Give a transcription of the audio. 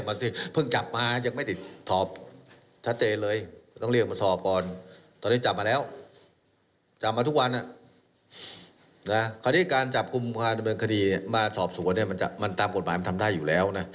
สมมติการจับความอาจารย์เมืองที่สอบสวนตามกฎหมายจะทำได้อยู่แล้ว